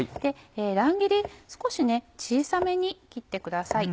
乱切り少し小さめに切ってください。